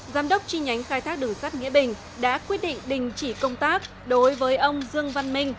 giám đốc chi nhánh khai thác đường sắt nghĩa bình đã quyết định đình chỉ công tác đối với ông dương văn minh